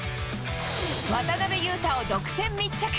渡邊雄太を独占密着。